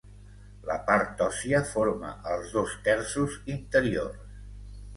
La part òssia forma els dos terços interiors.